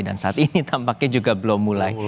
dan saat ini tampaknya juga belum mulai